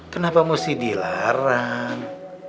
kenapa mesti dilarang